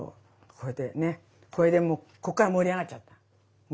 これでねこれでもうこっから盛り上がっちゃったね。